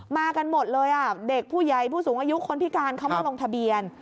มากันหมดเลยเด็กผู้ใหญ่ผู้สูงอายุคนพิการเขามาลงทะเบียน